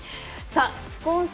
副音声